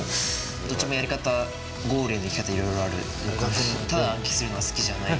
どっちもやり方、ゴールへの行き方、いろいろあるし、ただ暗記するのは好きじゃない。